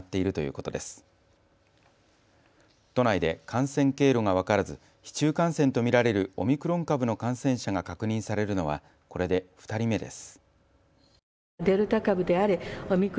都内で感染経路が分からず市中感染と見られるオミクロン株の感染者が確認されるのはこれで２人目です。